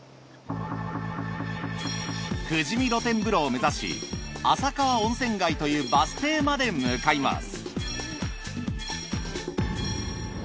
富士見露天風呂を目指し浅川温泉街というバス停まで向かいます。